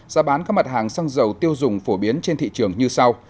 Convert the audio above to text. giá bán các mặt hàng xăng dầu tiêu dùng phổ biến trên thị trường như sau